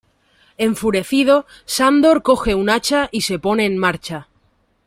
Enfurecido, Sandor coge un hacha y se pone en marcha.